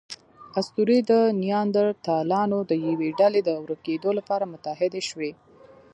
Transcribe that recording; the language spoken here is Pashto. اسطورې د نیاندرتالانو د یوې ډلې د ورکېدو لپاره متحدې شوې.